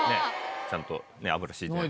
ちゃんと油引いてない。